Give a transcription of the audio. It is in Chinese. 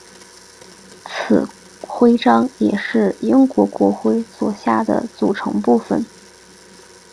此徽章也是英国国徽左下的组成部分。